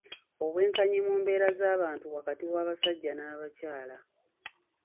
Obwenkanyi mu mbeera z'abantu wakati w'abasajja n'abakyala.